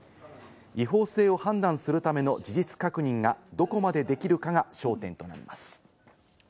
違法性を判断するための事実確認がどこまでできるかが焦点となります。